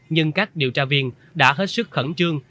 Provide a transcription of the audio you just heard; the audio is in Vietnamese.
nhưng các điều tra viên đã hết sức khẩn trương